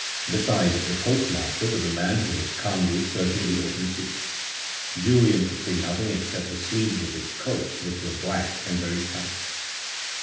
Beside the postmaster was a man who was calmly searching the open seat. Julien could see nothing except the sleeves of his coat which were black and very tight.